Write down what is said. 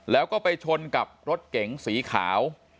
แล้วก็ไปชนกับรถเก๋งสีขาว